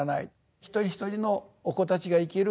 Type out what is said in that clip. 一人一人のお子たちが生きる